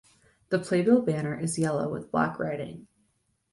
The "Playbill" banner is yellow with black writing.